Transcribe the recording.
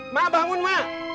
mak bangun mak